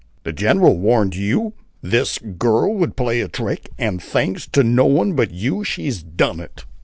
"The general warned you this girl would play you a trick, and, thanks to no one but you, she's done it!"